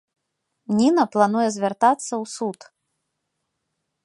Ніна плануе звяртацца ў суд.